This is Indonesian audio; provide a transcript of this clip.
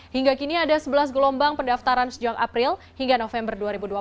hingga kini ada sebelas gelombang pendaftaran sejak april hingga november dua ribu dua puluh